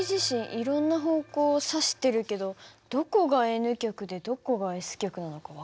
いろんな方向を指してるけどどこがＮ極でどこがＳ極なのか分からないね。